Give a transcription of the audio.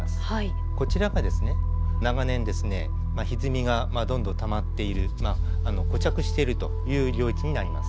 こちらが長年ひずみがどんどんたまっている固着しているという領域になります。